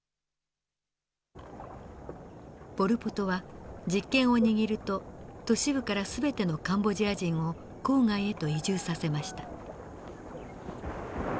ポル・ポトは実権を握ると都市部から全てのカンボジア人を郊外へと移住させました。